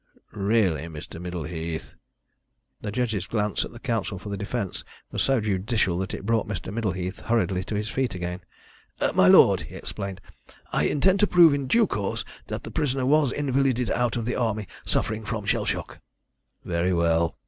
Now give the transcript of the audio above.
"Really, Mr. Middleheath " The judge's glance at Counsel for the Defence was so judicial that it brought Mr. Middleheath hurriedly to his feet again. "My lord," he explained, "I intend to prove in due course that the prisoner was invalided out of the Army suffering from shell shock." "Very well."